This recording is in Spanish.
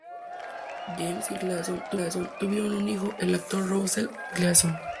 James y Lucile Gleason tuvieron un hijo, el actor Russell Gleason.